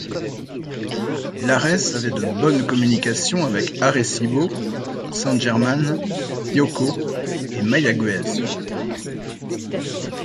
Lares avait de bonnes communications avec Arecibo, San Germán, Yauco, et Mayagüez.